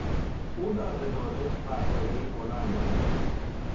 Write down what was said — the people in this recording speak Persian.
او در اداره مرتبهای بلند دارد.